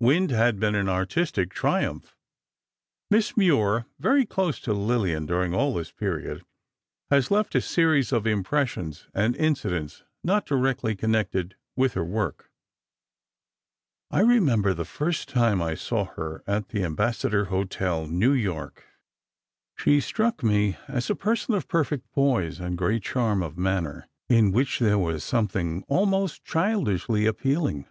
"Wind" had been an artistic triumph. Miss Moir, very close to Lillian during all this period, has left a series of impressions and incidents not directly connected with her work: I remember the first time I saw her at the Ambassador Hotel, New York, she struck me as a person of perfect poise and great charm of manner in which there was something almost childishly appealing.